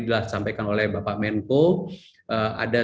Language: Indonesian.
telah disampaikan oleh bapak menko ada